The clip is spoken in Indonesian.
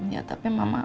ya tapi mama